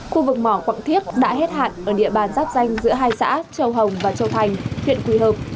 khu vực mỏ quặng thiết đã hết hạn ở địa bàn giáp danh giữa hai xã châu hồng và châu thành huyện quỳ hợp